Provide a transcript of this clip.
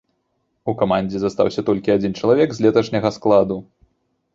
У камандзе застаўся толькі адзін чалавек з леташняга складу.